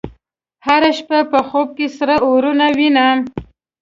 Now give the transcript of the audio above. هره شپه په خوب کې سره اورونه وینم